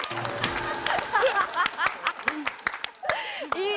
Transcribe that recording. いい！